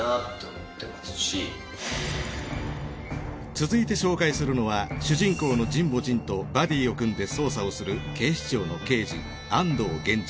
続いて紹介するのは主人公の神保仁とバディを組んで捜査をする警視庁の刑事安堂源次。